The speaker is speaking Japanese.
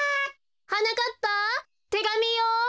はなかっぱてがみよ。